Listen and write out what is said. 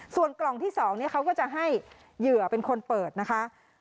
ส่วนกล่องที่๒เขาก็จะให้เหยื่อเป็นคนเปิดนะคะ